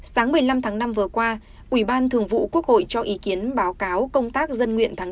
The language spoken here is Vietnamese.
sáng một mươi năm tháng năm vừa qua ủy ban thường vụ quốc hội cho ý kiến báo cáo công tác dân nguyện tháng bốn